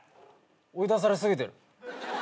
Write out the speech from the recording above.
追い出され過ぎてる。